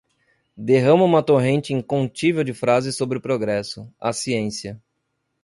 derrama uma torrente incontível de frases sobre o progresso, a ciência